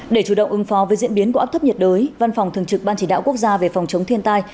để chủ động ứng phó với diễn biến của áp thấp nhiệt đới văn phòng thường trực ban chỉ đạo quốc gia về phòng chống thiên tai